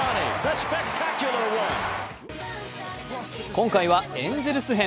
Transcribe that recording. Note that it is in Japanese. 今回はエンゼルス編。